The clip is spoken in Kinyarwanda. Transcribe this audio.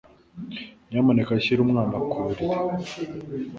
Nyamuneka shyira umwana ku buriri.